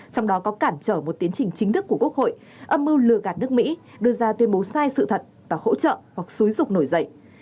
trong đó có cản trở một tiến trình chính thức của quốc hội âm mưu lừa gạt nước mỹ đưa ra tuyên bố sai sự thật và hỗ trợ hoặc xúi dục nổi dậy